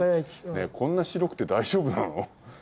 こんな白くて大丈夫なの？